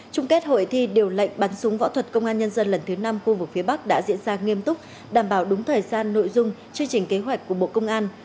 trung kết hội thi điều lệnh bắn súng võ thuật công an nhân dân lần thứ năm khu vực phía bắc đã diễn ra nghiêm túc đảm bảo đúng thời gian nội dung chương trình kế hoạch của bộ công an